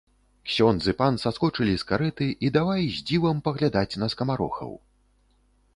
Ксёндз і пан саскочылі з карэты і давай з дзівам паглядаць на скамарохаў.